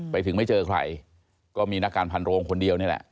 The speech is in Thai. ไปถึงไม่เจอใครก็มีนักการพันโรงคนเดียวนี่แหละ